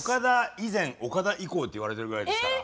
以前オカダ以降っていわれてるぐらいですから。